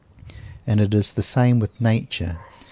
And it is the same with Nature.